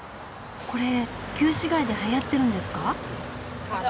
これ旧市街ではやってるんですか？